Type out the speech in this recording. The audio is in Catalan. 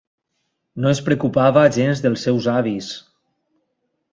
No es preocupava gens dels seus avis.